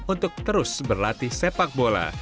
untuk terus berlatih sepak bola